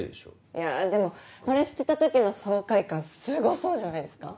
いやでもこれ捨てた時の爽快感すごそうじゃないですか？